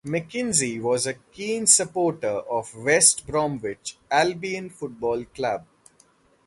Mackenzie was a keen supporter of West Bromwich Albion Football Club.